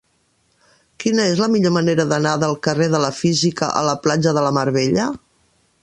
Quina és la millor manera d'anar del carrer de la Física a la platja de la Mar Bella?